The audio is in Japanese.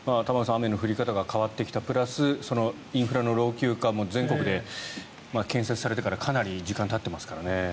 雨の降り方が変わってきたプラスインフラの老朽化も全国で建設されてからかなり時間たっていますからね。